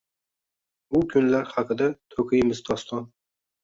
U kunlar haqida to’kiymiz doston.